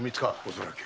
恐らく。